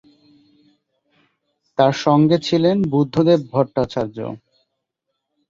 তার সঙ্গে ছিলেন বুদ্ধদেব ভট্টাচার্য।